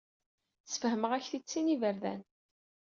Sfehmeɣ-ak-t-id sin iberdan.